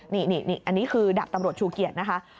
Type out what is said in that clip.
นี่อันนี้คือดาบตำรวจชูเกียรตินะคะ